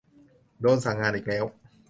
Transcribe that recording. โดนสั่งงานอีกแล้ว